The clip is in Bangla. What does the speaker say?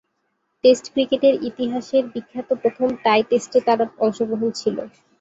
টেস্ট ক্রিকেটের ইতিহাসের বিখ্যাত প্রথম টাই টেস্টে তার অংশগ্রহণ ছিল।